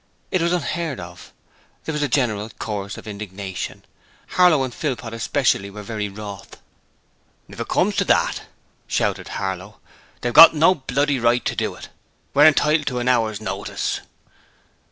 It was unheard of. There was a general chorus of indignation. Harlow and Philpot especially were very wroth. 'If it comes to that,' Harlow shouted, 'they've got no bloody right to do it! We're entitled to an hour's notice.'